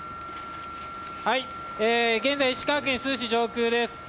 現在、石川県珠洲市上空です。